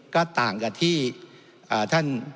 ก็ต่างกับที่ท่าน